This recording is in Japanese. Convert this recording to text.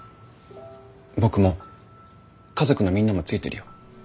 僕も家族のみんなもついてるよ。